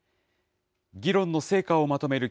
議論の成果をまとめる